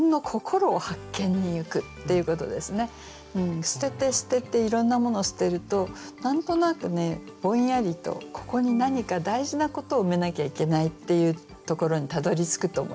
あとはね捨てて捨てていろんなものを捨てると何となくねぼんやりとここに何か大事なことを埋めなきゃいけないっていうところにたどりつくと思います。